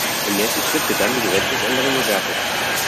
Im nächsten Schritt wird dann diese Gesetzesänderung bewertet.